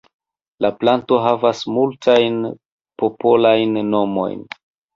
La planto havas multajn popolajn nomojn.